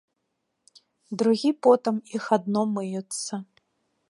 Другі потам іх адно мыюцца.